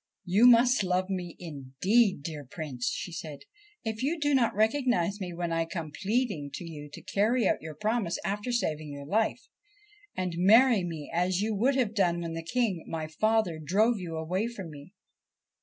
1 You must love me indeed, dear Prince,' she said, ' if you do not recognise me when I come pleading to you to carry out your promise after saving your life, and marry me as you would have done when the King, my father, drove you away from me.'